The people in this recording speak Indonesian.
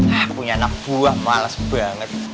aku punya anak buah malas banget